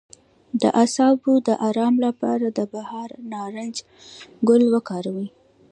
د اعصابو د ارام لپاره د بهار نارنج ګل وکاروئ